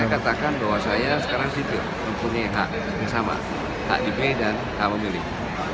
saya katakan bahwa saya sekarang sipil mempunyai hak yang sama hak dipilih dan hak memilih